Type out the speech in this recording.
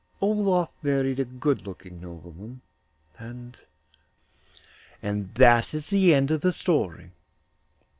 Olof married a good looking nobleman, and that is the end of the story.